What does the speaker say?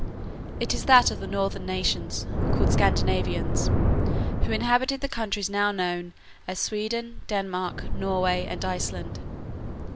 It is that of the northern nations, called Scandinavians, who inhabited the countries now known as Sweden, Denmark, Norway, and Iceland.